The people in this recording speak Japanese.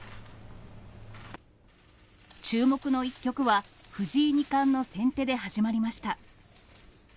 注目の一局は、藤井二冠の先手で始まりました。